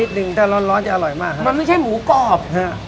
แบบ